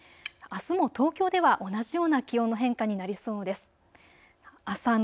あすも東京では同じような気温の変化になりそうです。